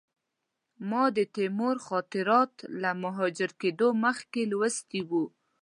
ما د تیمور خاطرات له مهاجر کېدلو مخکې لوستي وو.